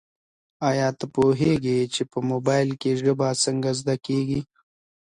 ایا ته پوهېږې چي په موبایل کي ژبه څنګه زده کیږي؟